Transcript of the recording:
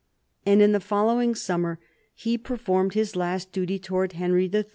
And in the following summer he performed his last duty towards Henry III.